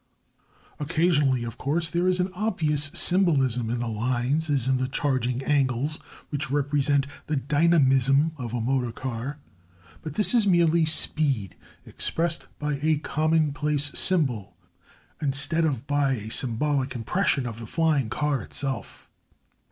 Occasionally, of course, there is an obvious symbolism in the lines as in the charging angles which represent the dynamism of a motor car. But this is merely speed expressed by a commonplace symbol instead of by a symbolic impression of the flying car itself.